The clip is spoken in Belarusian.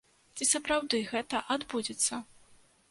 Ці сапраўды гэта адбудзецца?